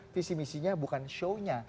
visi misinya bukan shownya